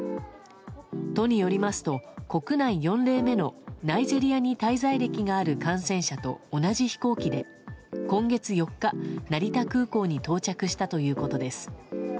都によりますと国内４例目のナイジェリアに滞在歴がある感染者と同じ飛行機で、今月４日成田空港に到着したということです。